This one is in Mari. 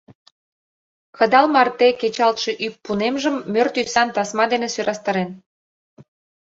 Кыдал марте кечалтше ӱппунемжым мӧр тӱсан тасма дене сӧрастарен.